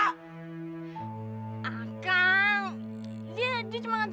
akang dia cuma ngaturin aku peng aja